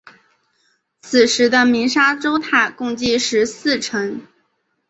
此时的鸣沙洲塔共计十四层。